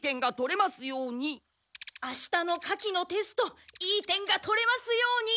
あしたの火器のテストいい点が取れますように。